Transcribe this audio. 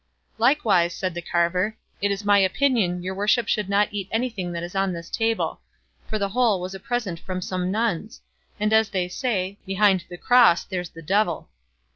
"Likewise," said the carver, "it is my opinion your worship should not eat anything that is on this table, for the whole was a present from some nuns; and as they say, 'behind the cross there's the devil.